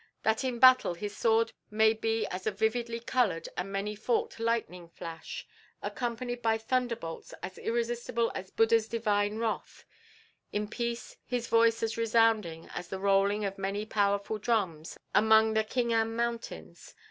That in battle his sword may be as a vividly coloured and many forked lightning flash, accompanied by thunderbolts as irresistible as Buddha's divine wrath; in peace his voice as resounding as the rolling of many powerful drums among the Khingan Mountains.